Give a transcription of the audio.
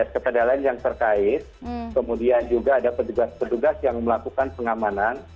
kepada lain yang terkait kemudian juga ada petugas petugas yang melakukan pengamanan